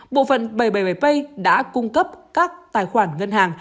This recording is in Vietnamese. bộ phận bảy trăm bảy mươi bảy pay đã cung cấp các tài khoản ngân hàng